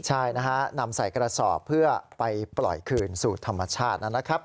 ใช่นะฮะนำใส่กระสอบเพื่อไปปล่อยคืนสู่ธรรมชาตินะครับ